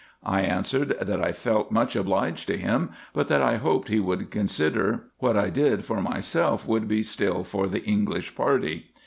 I answered, that I felt much obliged to him, but that I hoped he would consider what I did for myself would be still for the English party.